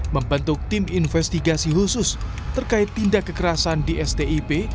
membentuk tim investigasi khusus terkait tindak kekerasan di stip